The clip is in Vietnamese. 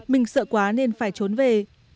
mình sợ quá nên phải trốn về